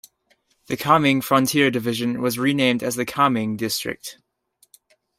The Kameng Frontier Division was renamed as the "Kameng District".